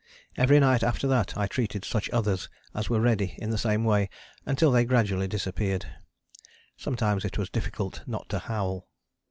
Every night after that I treated such others as were ready in the same way until they gradually disappeared. Sometimes it was difficult not to howl.